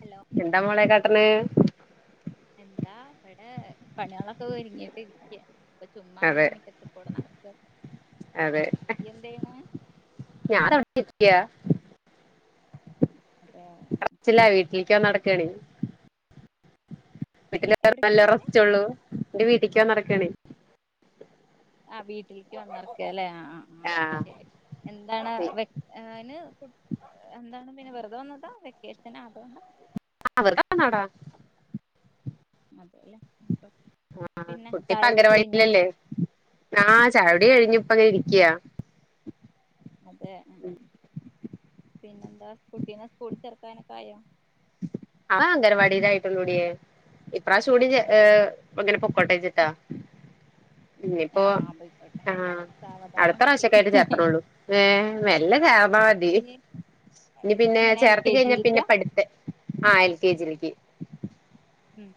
Hello എന്താ മോളെ കാട്ട്ണെ എന്താ വിടെ പണിയളൊക്കെ ഒരുങ്ങിട്ട് ഇരിക്ക ഇപ്പ ചുമ്മ അതെ ങ്ങനെ മിറ്റത്തിക്കൂടെ നടക്കപ്പം അതെ ഞാൻ [unintelligible] ക്യ അതെ വീട്ടിലാ വീട്ടിലേക്ക് പൊവാൻ നടക്കാണെയ്. വീട്ടില് എവിടേക്ക് നല്ല പോവാന് റസ്റ്റൊള്ളു എന്റെ വീട്ടീക്ക് പൊവാൻ നടക്കണേ. ആഹ് വീട്ടിക്ക് പൊവാൻ നടക്കാലെ ആഹ് ആഹ് ആഹ് ശരി എന്താണ് അതിന് എന്താണ് പിന്നെ വെറുതെ വന്നതാ വെക്കേഷന് ആതുകൊണ്ടാ? ആഹ് [unintelligible] അതെല്ലേ ഭ ആഹ് കുട്ടിപ്പങ്കലവാടില്ലല്ലേ ആഹ് ചായൊടി കഴിഞ്ഞുപ്പങ്ങനെ ഇരിക്ക്യ. അതെ പിന്നെന്താ കുട്ടീനെ സ്കൂള് ചേർക്കാനൊക്കെ ആയോ? അതാ അംഗൻവാടീല് ആയിട്ടുള്ളൂടിയേ ഇപ്രാവശ്യഊടി ഏ അതെ ഇപൊങ്ങനെ പൊക്കോട്ടേ ചിട്ടാ ഇനിയിപ്പോ ആ ആ പോയിക്കോട്ടെ ആഹ് അടുത്ത സാവധാനം പ്രാവശ്യക്കആയിട്ട് ചേർത്തനൊള്ളു. മേ മെല്ലെ ചേർന്നാമതി. ഇനി ഇനി പിന്നെ എങ്ങനെ എൽ ചേർത്തി കെ കഴിഞ്ഞാ പിന്നെ ജിയിലേക്കാ പഠിത്ത ആഹ് എൽ കെ ജി ൽ ക്ക്. ഉം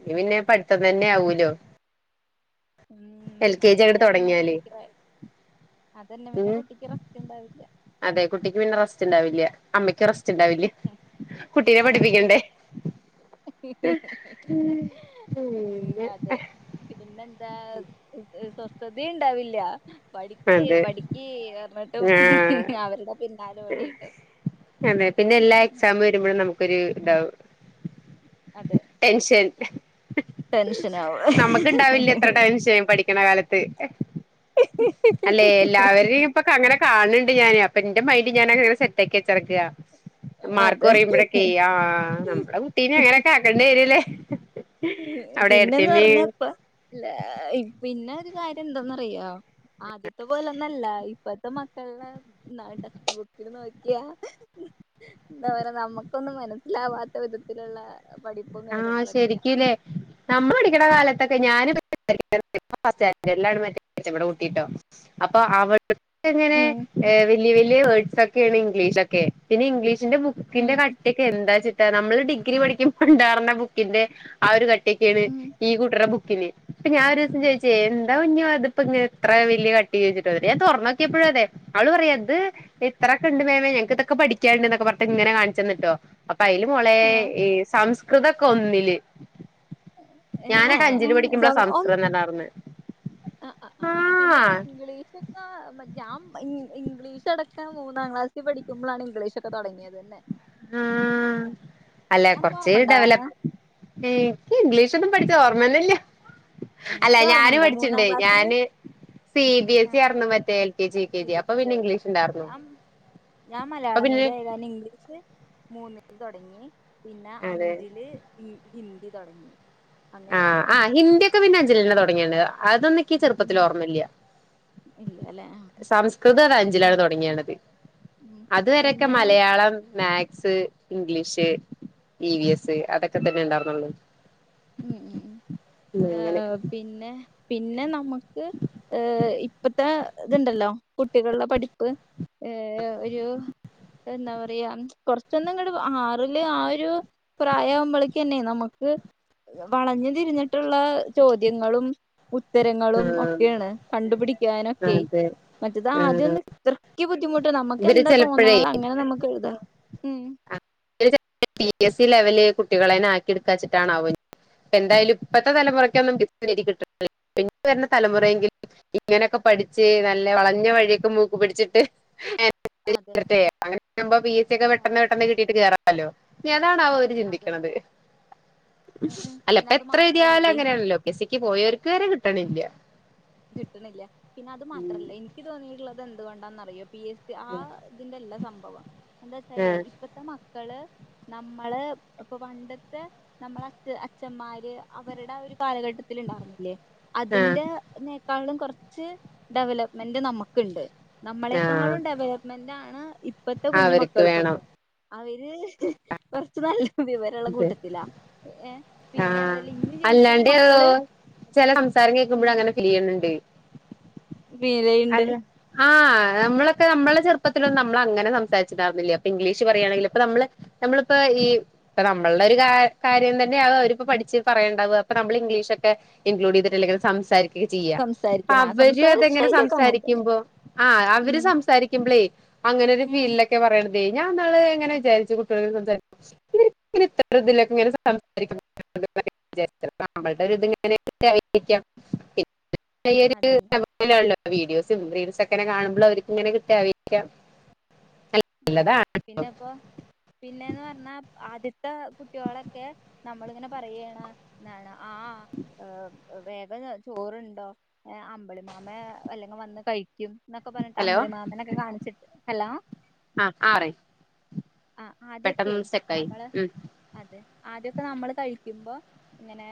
ഇനി പിന്നെ പഠിത്തം തന്നെ ആവൂലോ? എൽ ഉം കെ അത് ജി അങ്ങട് കഴിഞ്ഞാ പിന്നെ തൊടങ്ങിയാല് കുട്ടിക്ക് റ അതന്നെ പിന്നെ ഉം കുട്ടിക്ക് റസ്റ്റ് ണ്ടാവില്ല്യ. അതെ കുട്ടിക്ക് പിന്നെ റസ്റ്റ്ണ്ടാവില്ല്യ അമ്മയ്ക്ക് റസ് ണ്ടാവില്ല കുട്ടീനെ അമ്മക്ക് പഠിപ്പിക്കണ്ടേ? ഉം അതെ [unintelligible] പിന്നെന്താ സ്വസ്ഥതേ ഇണ്ടാവില്ല. പഠിക്കീ അതെ പഠിക്കീ പറഞ്ഞിട്ടും ആഹ് അവരുടെ പിന്നാലെ ഓടിയിട്ടും. അതെ പിന്നെ എല്ലാ ഉം എക്സാം വരുമ്പോഴും നമുക്കൊരു ഇതാവും. അതെ ടെൻഷൻ ടെൻഷനാവും നമക്ക് ഇണ്ടാവില്ല എത്ര ടൻഷൻ പഠിക്കണ കാലത്ത്. അല്ലെ എല്ലാവരിം ഇപ്പൊക്ക അങ്ങനെ കാണുന്നുണ്ട് ഞാന് അപ്പൊ എന്റെ മൈൻഡ് ഞാനങ്ങനെ സെറ്റ് ആക്കി വെച്ചെട്ക്കാ മാർക്ക് അതെ കുറയുമ്പോഴൊക്കെ ആഹ് നമ്മടെ കുട്ടീനെ അങ്ങനെയൊക്കെ ആക്കണ്ടി വരൂല്ലേ അവിടെ പിന്നെന്ന് എടുത്തമ്മ പറഞ്ഞപ്പോ ല്ല പിന്നെ ഒരു കാര്യം എന്താന്നറിയോ ആദ്യത്തെ പോലൊന്നല്ല ഇപ്പ ഇപ്പം മക്കൾടെ ന്നാ ടെക്സ്റ്റ് ബുക്കില് നോക്കിയാ എന്താ പറ നമുക്കൊന്നും മനസ്സിലാവാത്ത വിധത്തിലുള്ള പഠിപ്പും ആ കാര്യങ്ങളൊക്കെയാ ശരിക്കല്ലേ നമ്മൾ പടിക്ക്ണ കാലത്തൊക്കെ [unintelligible] കുട്ടിട്ടോ അപ്പൊ [unintelligible] എങ്ങനെ ഉം വലിയ വലിയ വേർഡ്സ് ഒക്കെയാണ് ഇംഗ്ലീഷൊക്കെ പിന്നെ ഇംഗ്ലീഷിന്റെ ബുക്കിന്റെ ഉം ക ക്കൊക്കെ എന്താ ചിട്ടാ നമ്മള് ഡിഗ്രി പഠിക്കുമ്പോ ഉണ്ടാർന്ന ബുക്കിന്റെ ആ ഒരു കട്ടിയൊക്കെയാണ് ഈ കുട്രെ ബുക്കിന് ഇപ്പ ഞൻ ഒരുദിവസം ചോയ്ചെയ് എന്താ കുഞ്ഞോ ഇതിപ്പോ ഇത്ര വലിയ കട്ടി ചോദിചുട്ടൊ എന്നിട്ട് ഞാൻ തുറന്നോക്കിയപ്പോഴും അതെ അവള് പറയാ ഇത് ഇത്രൊക്കെ ഉണ്ട് മേമേ ഞങ്ങക്കിതൊക്കെ പഠിക്കാൻണ്ട് എന്നൊക്കെ പറഞ്ഞിട്ട് ഇങ്ങനെ കാണിച്ചു തന്നിട്ടോ അപ്പൊ അതില് മോളെ ഉം ഈ സംസ്കൃതൊക്കെ ഒന്നില് ഞാനൊക്കെ അഞ്ചില് ആഹ് പഠിക്കുമ്പോളാ സംസ്കൃതം [unintelligible] അ ആ ആഹ് പിന്നെപ്പോ ഇംഗ്ലീ [inaudible] ഞാമ് ഇൻ ഇംഗ്ലീഷ് അടക്കം മൂന്നാം ക്ലാസ്സി പഠിക്കുമ്പളാണ് ഇംഗ്ലീഷൊക്കെ തുടങ്ങിയത് തന്നെ ആഹ് അല്ലേ അനക്ക് കൊർച്ച് ഓർമ്മണ്ടാ ഡെവലപ് ഏഹ് ഇൻക്ക് ഇംഗ്ലീഷ് ഒന്നും പഠിച്ച ഓർമ്മന്നെല്ല അല്ല എനിക്ക് ഞാന് ഓർമ്മണ്ട് മൂന്നാം പഠിച്ചിണ്ടേയ് ക്ലാസ്സില് ഞാന് C B S C E ആയിരുന്നു മറ്റേ L K G U K G അപ്പൊ പിന്നെ ഇരുപത്തിയാവില്ല. ഇംഗ്ലീഷ്ണ്ടാർന്നു ഞാൻ ഞാൻ മലയാളം മീഡിയം ആയകാരണം ഇംഗ്ലീഷ് മൂന്നില് തുടങ്ങി പിന്നെ അതെ അഞ്ചില് ഈ ഹിന്ദി തൊടങ്ങി ആഹ് അങ്ങനാരുന്നു ആഹ് ഹിന്ദിയൊക്കെ പിന്നെ അഞ്ചിലെന്നെ തുടങ്ങിയെത് അതൊന്ന്ക്ക് ചെറുപ്പത്തിൽ ഉം ഓർമ്മല്ല ഇല്ലല്ലേ സംസ്കൃതം അഞ്ചിലാണ് അങ്ങനെ തൊടങ്ങിയെണത് ഉം അത് വരേക്കെ പിന്നെ Malayalam maths English E V S അതൊക്കെ തന്നെ ഉണ്ടായിർന്നൊള്ളു ഉം ഉം ഉം അങ്ങനെ ആഹ് പിന്നെ പിന്നെ നമുക്ക് ഏഹ് ഇപ്പത്തെ ഇതുണ്ടല്ലോ കുട്ടികളുടെ പഠിപ്പ് ഏഹ് ആ ഒരു എന്താ പറയാ കൊറച്ചൊന്ന്ങ്ട് ആറില് ആ ഒരു പ്രായാവുമ്പളേക്കെന്നെ നമക്ക് വളഞ്ഞ് തിരിഞ്ഞിട്ട്ള്ള ചോദ്യങ്ങളും ഉത്തരങ്ങളും ആഹ് ഒക്കെയാണ് കണ്ടുപിടിക്കാനൊക്കെ അതെ മറ്റെത് ആഹ് ആദ്യൊന്നും ഇത്രയ്ക്ക് ബുദ്ധിമുട്ട് നമ്മക്ക് ഇവര് എന്താ ചെലപ്പഴേ തോന്ന്ണത് അങ്ങനെ നമ്മക്ക് എഴുതാ ഉം പി എസ് സി ലെവല് കുട്ടികളെനെ ആക്കി എടുക്കാച്ചിട്ടാണാവൊ ഇ എന്തായാലും ഇപ്പത്തെ തലമുറക്ക് ഒന്നും [unintelligible] ഇനി വരുന്ന തലമുറെങ്കി ഇങ്ങനെയൊക്കെ പഠിച്ച് നല്ല വളഞ്ഞ വഴിയൊക്കെ മൂക്ക് പിടിച്ചിട്ട് അതെ [inaudible] അങ്ങനെയാവുമ്പോ പി എസ് സി ഒക്കെ ആഹ് പെട്ടെന്ന് പെട്ടെന്ന് കിട്ടീട്ട് കേറാല്ലോ ഏതാണാവോ ഞ്ഞ് അതെ ചിന്തിക്ക്ണത് ഉം ഉം അല്ല പിന്നെ ഇപ്പൊ അത് എത്ര എഴുതിയാലും മാത്രല്ലടി അങ്ങനെയാണല്ലോ പി എസ് സിക്ക് പോയോർക്ക് വരെ കിട്ടണില്ല കിട്ട്ണില്ല പിന്നെ അത് മാത്രല്ല ഇൻക്ക് തോന്നിയിട്ടുള്ളത് എന്തുകൊണ്ടാന്നറിയോ പി എസ് സി ആ ഇതിന്റെല്ല സംഭവം എന്താച്ചാലേ ആഹ് ഇപ്പത്തെ മ ക്കള് നമ്മള് ഇപ്പൊ പണ്ടത്തെ നമ്മളെ അച് അച്ഛന്മാര് അവരുടെ ആ ഒരു കാലഘട്ടത്തിൽ ഇണ്ടായിര്ന്നില്ലേ ആഹ് അതിന്റെ അതിനേക്കാളും കൊറച്ച് ഡെവലപ്മെന്റ് നമ്മക്ക്ണ്ട് ആഹ് നമ്മളെക്കാളും ഡെവലപ്മെന്റാണ് ഇപ്പത്തെ കുഞ്ഞു അവർക്ക് വേണം മക്കൾക്കൊക്കെ അവര് കൊറച്ച് നല്ല വിവരള്ള അത് കൂട്ടത്തിലാ ഏഹ് പിന്നെ ആഹ് അതല്ല ഇഞ്ഞ് ജനിക്ക്ണ അല്ലാണ്ട് മക്കള് ചെല സംസാരം കേക്കുമ്പഴെ അങ്ങനെ ഫീലെയ്യുന്നുണ്ട്. ഫീലെയ്യ്ണ്ട് ആഹ് നമ്മളൊക്കെ നമ്മളെ ചെറുപ്പത്തിലൊന്നും നമ്മള് അങ്ങനെ സംസാരിച്ചിണ്ടാര്ന്നില്ല. ഇപ്പൊ ഇംഗ്ലീഷ് പറയാണെങ്കിൽ ഇപ്പൊ നമ്മള് നമ്മളിപ്പ ഈ ഇപ്പൊ നമ്മൾടെ ഒരു കാ കാര്യം തന്നെ ആണ് അവരിപ്പോ പഠിച്ച് പറയേണ്ടത്. അപ്പൊ നമ്മള് ഇംഗ്ലീഷൊക്കെ ഇൻക്ലൂഡ് ചെയ്തിട്ടല്ലെങ്കിലും സംസാരിക്ക ചെയ്യാ. സംസാരിക്കണ അവര് സംസാര അതെങ്ങനെ സംസ ശൈലിയൊക്കെ അങ്ങനെ തന്നെ സാരിക്കുമ്പൊ ആഹ് അവര് സംസാരിക്കുമ്പളേ അങ്ങനെ ഒരു ഉം ഫീൽലൊ ക്കെ പറയ്ണതേ ഞാൻ ഇന്നാള് എങ്ങനെ വിചാരിച്ചു കുട്ടികൾ സംസാ ഇവര് ഇത്ര ഇതിലൊക്കെ ഇങ്ങനെ സംസാരിക്കു [inaudible] നമ്മൾടെ ഒരിത് ഇങ്ങനെയൊക്കെ ആയിരിക്കാം. അതന്നെ [unintelligible] വീഡിയോസും റീൽസ് ഒക്കെ ഇങ്ങനെ കാണുമ്പോൾ അവർക്ക് ഇങ്ങനെ കിട്ട ആയിരിക്കാം ന അതെ പിന്നെപ്പോ പിന്നെന്ന് പറഞ്ഞാ ആദ്യത്തെ കുട്ട്യോളൊക്കെ നമ്മളിങ്ങനെ പറയാണ് ന്നാണ് ആ വേഗം ചോറുണ്ടോ അമ്പളി മാമൻ അല്ലെങ്കിൽ വന്ന് കഴിക്കും എന്നൊക്കെ പറഞ്ഞിട്ട് ഹലോ അമ്പളി മാമനൊക്കെ കാണിച്ചിട്ട് ഹലോ ആഹ് ആഹ് പറയും. ആഹ് ആദ്യ ഒക്കെ സ്റ്റക്കായി നമ്മള് ഉം അതെ ആദ്യക്കെ നമ്മള് കഴിക്കുമ്പോ ഇങ്ങനെ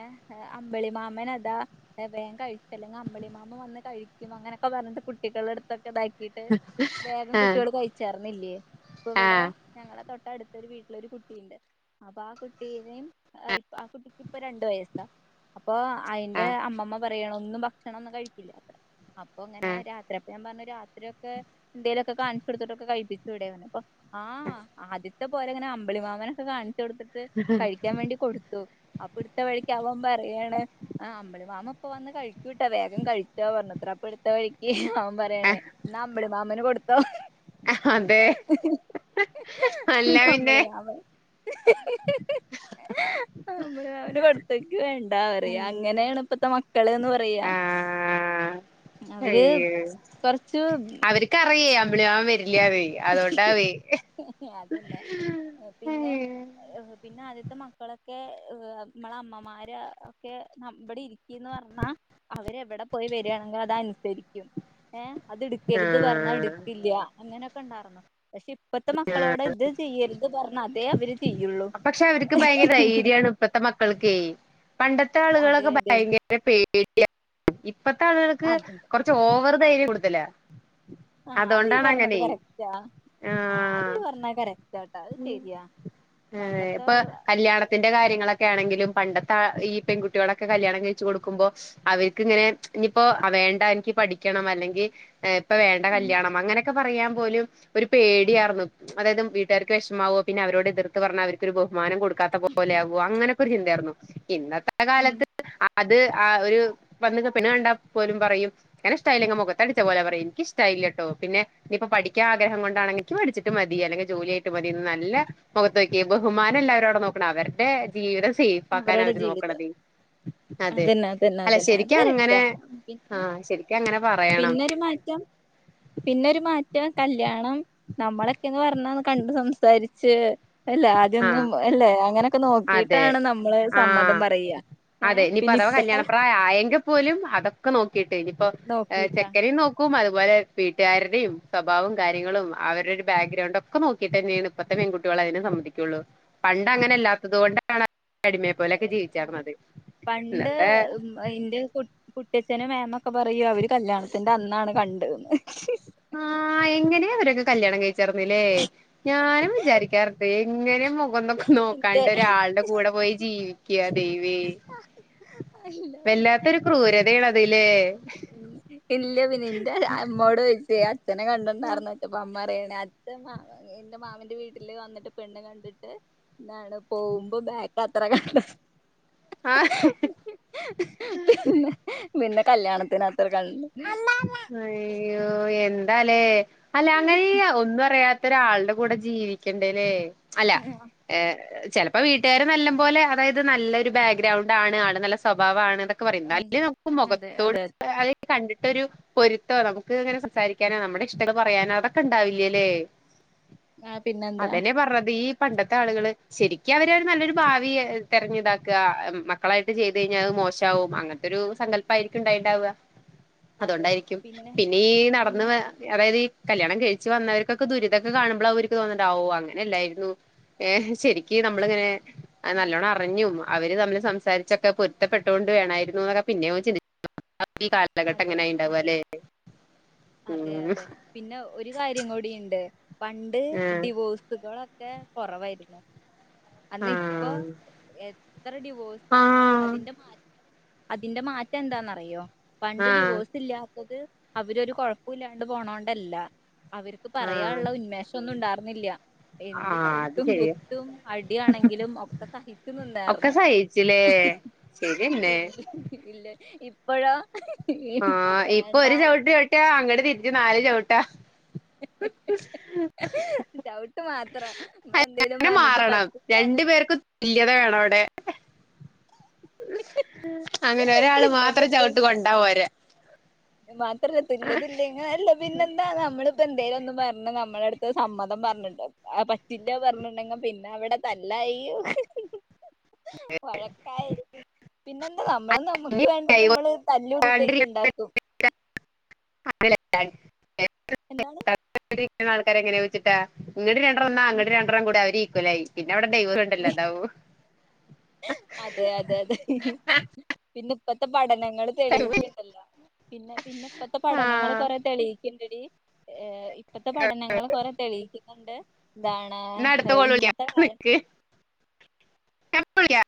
അമ്പളി മാമൻഅതാ എ വേഗം കഴിച്ചില്ലങ്കിഅമ്പളിമാമൻ വന്ന് കഴിക്കും. അങ്ങനെയൊക്കെ പറഞ്ഞിട്ട് കുട്ടികളുടെ അടുത്തൊക്കെ ഇതാക്കിയിട്ട് ട്ട് വേഗം ആ കുട്ടിയോള് കഴിച്ചാർന്നില്ലേ. ഇപ്പൊ ആ ഇവിടെ ഞങ്ങളെ തൊട്ട അടുത്തൊരു വീട്ടിലൊരു കുട്ടിയുണ്ട്. അപ്പൊ ആ കുട്ടിനേയും ആ കുട്ടിക്ക് ഇപ്പൊ രണ്ടു വയസ്സാ. അപ്പൊ ആ അയിന്റെ അമ്മമ്മ പറയുവാണ് ഒന്നും ഭക്ഷണം ഒന്നും കഴിക്കില്ല അപ്പൊ ഇങ്ങനെ രാത്രിയാപ്പ ഞാൻ പറഞ്ഞു രാത്രിയൊക്കെ എന്തേലൊക്കെ കാണിച്ചു കൊടുത്തിട്ടൊക്കെ കഴിപ്പിച്ചുടെ അവനെ അപ്പൊ ആഹ് ആദ്യത്തെ പോലെ അങ്ങനെ അമ്പളി മാമനൊക്കെ കാണിച്ചു കൊടുത്തിട്ട് കഴിക്കാൻ വേണ്ടി കൊടുത്തു. അപ്പ എടുത്ത വഴിക്ക് അവൻ പറയുവാണ് ആ അമ്പിളി മാമ്മൻ ഇപ്പംവന്ന് കഴിക്കൂട്ടാ വേഗം കഴിച്ചോ പറഞ്ഞത്ര അപ്പ എടുത്ത വഴിക്ക് ആ പറയണേ എന്ന അമ്പിളി മാമന് കൊടുത്തോ അതെ അല്ല പിന്നെ അമ്പിളി മാമൻ അമ്പിളി മാമ്മന് കൊടു ക്ക വേണ്ട പറയാ അങ്ങനെയാണ് ഇപ്പത്തെ മക്കള്ന്ന് പറയാ. ആ അവര് കൊറച്ച് ക്കറിയേ അമ്പിളി മാമ്മൻ വരില്ലാന്ന് അതൊണ്ടാവേ അയ്യോ ഏ പിന്നെ ആദ്യത്തെ മക്കളൊക്കെ നമ്മള അമ്മമാര് ഒക്കെ ഇവിടെ ഇരിക്കിന്ന് പറഞ്ഞാ അവരെവിടെ പോയി വരിയാണെങ്കിൽ അത് അനുസരിക്കും. ഏഹ് അത് ആ എടുക്കരുത് പറഞ്ഞാ എടുക്കില്ല. അങ്ങനെയൊക്കെ ഉണ്ടായിരുന്നു. പക്ഷെ ഇപ്പത്തെ മക്കളോട് ഇത് ചെയ്യരുത് പറഞ്ഞാ അതെ അവര് ചെയ്യുള്ളൂ. പക്ഷെ അവർക്ക് ഭയങ്കര ഹ്ഹ്ഹ് ധൈര്യാണ് ഇപ്പത്തെ മക്കൾക്കേപണ്ടത്തെ അതെ ആളുകളൊക്കെ അതെ ഭയങ്കര പേടിയ ഇപ്പത്തെ ആളുകൾക്ക് അതെ കൊറച്ച് ഓവർ ധൈര്യം കൂടുതലാ. ആ അത് നീ അതുകൊണ്ടാണ് പറഞ്ഞത് അങ്ങനെ കറക്ട ആ അത് ആഹ് നീ പറഞ്ഞത് കറക്ടാ അത് ശെരിയാ പണ്ടത്തെ ത്തിന്റെ കാര്യങ്ങളൊക്കെ ആണെങ്കിലും പണ്ടത്തെ ആ ഈ പെൺകുട്ടികളൊക്കെ കല്യാണം കഴിച്ചു കൊടുക്കുമ്പോ അവർക്ക് ഇങ്ങനെ ഇനിയിപ്പോ വേണ്ട എനിക്ക് പഠിക്കണം അല്ലെങ്കിൽ ഇപ്പൊ വേണ്ട ഉം കല്യാണം അങ്ങനെയൊക്കെ പറയാൻ പോലും ഒരു പേടിയായിരുന്നു. അതായത് വീട്ടുകാർക്ക് വിഷമമാവോ പിന്നെ അവരോട് എതിർത്ത് പറഞ്ഞാൽ അവർക്ക് ഒരു ബഹുമാനം കൊടുക്ക ക്കാത്ത പോലെ ആകോ അങ്ങനെയൊക്കെ ഒരു ചിന്തയായിരുന്നു ഇന്നത്തെ ഉം കാലത്ത് അത് ആ ഒരു വന്ന് ട്ട് പിന്നെ കണ്ടാ പോലും പറയും ഞാനിഷ്ട്ടായില്ലെങ്കിൽ മൊഖത്തടിച്ച പോലെ പറയും എനിക്ക് ഇഷ്ട്ടായില്ല ട്ടോ പിന്നെ ഇനിയിപ്പ പഠിക്കാ ആഗ്രഹം കൊണ്ട് ക്കണെങ്കും പഎനിക്ക്ഠിച്ചിട്ട് മതി അല്ലെങ്കിൽ ജോലി ആയിട്ട് മതിന്ന് നല്ല മൊഖത്ത് നോക്കി ബഹുമാനം അല്ല അവരവിടെ നോക്കണെ അവരുടെ ജീവിതം സേഫ് ആക്കാൻ അവരുടെ അവര് ജീവിതം നോക്കണത് അതെ അതന്നെ അതന്നെ അല്ല അതന്നെ അത് ശരിക്കും അങ്ങനെ കറക്റ്റാ പിന്നെ ആഹ ശരിക്കും അങ്ങനെ പറയണം പിന്നെരു മാറ്റം കല്യാണം നമ്മളൊക്കെന്ന് പറഞ്ഞാ ഒന്ന് കണ്ട് സംസാരിച്ച് അല്ല ആദ്യൊന്നും ആഹ് അല്ലേ അങ്ങനെയൊക്കെ അതെ നോക്കിയിട്ടാണ് നമ്മള് സമ്മതം ആഹ് പറയാ ഏ അതെ ഇനിപ്പോ പിന്നെ അഥവാ കല്യാണ ഇപ്പത്തെ പ്രായം ആയെങ്കിൽ പോലും അതൊക്കെ നോക്കിട്ട് ആയ്ക്കും ഇപ്പൊ നോക്കിട്ടാ ചെക്ക നേം നോക്കും അതുപോലെ വീട്ടുകാരുടെയും സ്വഭാവും കാര്യങ്ങളും അവരുടെ ഒരു ബാക്ക്ഗ്രൗണ്ട് ഒക്കെ നോക്കിട്ട് തന്നെയാണ് ഇപ്പത്തെ പെൺകുട്ട്യോളു അതിന് സമ്മയിക്കൊള്ളൂ പണ്ട് അങ്ങനെ അതെ അല്ലാത്തത് കൊണ്ടാണ് അടിമയെ പോലൊക്കെ ജീവിച്ചർന്നത് പണ്ട് ഇന്നത്തെ ഇന്റെ കുട്ട്യഛനും മേമൊക്കെ പറയും അവര് കല്യാണത്തിന്റെ അന്നാണ് കണ്ടതെന്ന് ആഹ് എങ്ങനെ അവരൊക്കെ കല്യാണം കഴിച്ചർന്നില്ലേ ഞാനും വിചാരിക്കാറ്ണ്ട് എങ്ങനെ മൊഖം നോക്കും ഇന്റെ നോക്കാണ്ട് ഒരാളുടെ കൂടെ പോയി ജീവിക്ക ദേവിയെ ഇല്ല പിന്നെ വല്ലാത്തരു പിന്നെ ക്രൂരതേണ് അത് ലേ ഇല്ല പിന്നെ ഇന്റെ അമ്മോട് ചോയിച്ചേ അച്ഛനെ കണ്ടണ്ടായിരന്നപ്പ അമ്മ പറയേണ് അ ച്ചൻ മാ എന്റെ മാമന്റെ വീട്ടില് വന്നിട്ട് പെണ്ണ് കണ്ടിട്ട് എന്താണ് പോകുമ്പോ ബാക്ക് അത്ര കണ്ടത് ആഹ് പിന്നെ പിന്നെ കല്യാണത്തിന് ആത്ര കണ്ടേ അയ്യോ എന്താലേ അല്ല അങ്ങനെയി ഒന്നും അറിയാ ത്തൊരാളുടെ കൂടെ ജീവിക്കണ്ടേലേ അല്ല ഏ ചെലപ്പോ വീട്ടുകാര് നല്ല പോലേ അതായത് നല്ലൊരു ബാക്ക്ഗ്രൗണ്ട് ആണ് ആള് നല്ല സ്വഭാവാണ് അതൊക്കെ തൊക്കെ പറിം ഉം ഇന്നാലും നമക്ക് അതെ മൊഖത്തോട് അതെ അത് കണ്ടിട്ട് ട്ടൊരു പൊരുത്തോ നമുക്ക് ഇങ്ങനെ സംസാരിക്കാനോ നമ്മുടെ ഇഷ്ടങ്ങൾ പറയാനോ അതൊക്കെ ഇണ്ടാവില്ലേലേ ആ പിന്നെന്താ അതന്നെ പർഞ്ഞത് ഈ പണ്ടത്തെ ആളുകള് ശരിക്ക് അവരൊരു നല്ലൊരു ഭാവി തെരഞ്ഞു ഇതാക്ക മക്കളായിട്ട് ചെയ്തഴിഞ്ഞാൽ അത് മോശാവും അങ്ങൻ ത്തൊരു സങ്കല്പയിരിക്കും ഇണ്ടായിണ്ടാവുക അതുകൊണ്ടായിരിക്കും പിന്നെ ഈ പി നടന്ന് അതായത് ഈ കല്യാണം കഴിച്ചു വന്നവർക്കൊക്കെ ദുരിതക്കെ കാണുമ്പോൾ അവർക്ക് തോന്നണ്ടാവും ഓ അങ്ങനെല്ലായിരുന്നു ഏഹ് ശെരിക്ക് നമ്മളിങ്ങനെ നല്ലോണം അ റിഞ്ഞും അവര് തമ്മില് സംസാരിച്ചൊക്കെ പൊരുത്തപ്പെട്ടോണ്ട് വേണായിരുന്നു എന്നൊക്കെ പിന്നെയാവും ചിന്തിച്ചിട്ട് ഇണ്ടാവാ അപ്പോ ഈ കാല ലഘട്ടം അതെ അതെ എങ്ങനായിണ്ടാവല്ലെ അതെ ഉം അതെ പിന്നെ ഒരു കാര്യം കൂടി ഇണ്ട് പണ്ട് ഡിവോഴ്സുകളൊക്കെ കൊറവായിരുന്നു ആഹ് അന്ന ഇപ്പൊ ആഹ് എത്ര ഡിവോഴ്സ് ആണ് ആഹ് അതിന്റെ മാറ്റം അതിന്റെ മാറ്റം എന്താന്നറിയോ പണ്ട് ആഹ് ഡിവോഴ്സ് ഇല്ലാത്തത് അവരൊരു കൊഴപ്പല്ലാണ്ട് പോണോണ്ടല്ല അവർക്ക് ആഹ് പറയാനുള്ള ഉന്മേഷം ഒന്നും ഉണ്ടായിർന്നില്ല എന്ത് ആഹ് അത് ചൗട്ടും ശരിയാ കുത്തും അടി ആണെങ്കിലും ഒക്ക സഹിച്ചു ഒക്കെ നിന്നാർന്നു സഹിച്ചില്ലേ ശരിയന്നെ ഇല്ല ഇപ്പഴോ ആഹ് ഇപ്പൊ ഒരു ചവിട്ട് ചവിട്ടിയാൽ അങ്ങട് തിരിച്ചു നാല് ചവിട്ടാ ചൗട്ട് മാത്ര ഇമ്മള് എന്തേലും അങ്ങനെ പറഞ്ഞിട്ട് മാറണം രണ്ടു പറ്റിക്കാന് പേർക്കും തുല്യത വേണോ അവിടെ അങ്ങനെ ഒരാള് മാത്രം ഇല്ലതല്ലേ ചവിട്ട് കൊണ്ടാപോര മാത്രല്ല തുല്യതില്ല അങ്ങനല്ല പിന്നെ എന്താ നമ്മളിപ്പോ എന്തേലും ഒന്ന് പറഞ്ഞ നമ്മളടുത്ത് സമ്മതം പറഞ്ഞിട്ട് അത് പറ്റൂല ഇല്ല പറഞ്ഞിണ്ടെങ്കി പിന്നെ അവടെ തല്ലായി വഴക്കായി പിന്നെന്താ നമ്മള് ഇനി നമുക്ക് വേണ്ടത് നമ്മള് തല്ലൂടിട്ടേലും ഉണ്ടാക്കും അങ്ങനൊക്കാണ് എന്താണ് ആൾക്കാരെ എങ്ങനെ വെച്ചിട്ടാ ഇങ്ങടെ രണ്ടെണം എന്നാ അങ്ങടെ രണ്ടെണ്ണം കൂടെ അവര് ഈക്കൊലായി പിന്നെ അവിടെ ഡൈവെയ്‌സ് വേണ്ടല്ലോ അതാവു അതെ അതെ അതെ പിന്നെ ഇപ്പത്തെ പഠനങ്ങൾ തെളിയിക്ക പിന്നെ പിന്നെ ഇപ്പത്തെ ആ പഠനങ്ങൾ കൊറെ തെളിയിക്കണ്ടടി ഇപ്പത്തെ പഠനങ്ങൾ കൊറെ തെളിയിക്കുന്നുണ്ട് എന്താണ് എന്നാ അടുത്ത കോൾ ഇന്നത്തെ വിളിക്കാം കാല തൺപില്ലാ